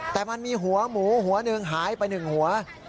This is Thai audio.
แต่มันมีหัวหมูหัวหนึ่งหายไป๑หัว